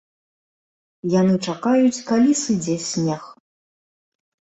Яны чакаюць, калі сыдзе снег.